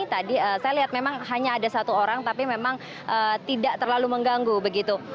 tadi saya lihat memang hanya ada satu orang tapi memang tidak terlalu mengganggu begitu